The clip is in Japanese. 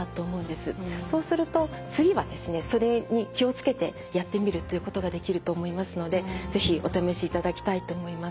そうすると次はですねそれに気を付けてやってみるということができると思いますので是非お試しいただきたいと思います。